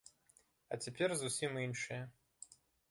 А цяпер зусім іншае.